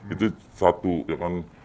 itu satu ya kan